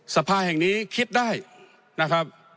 สภาแห่งนี้คิดได้นะครับ